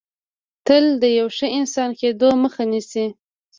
تل د یو ښه انسان کېدو مخه نیسي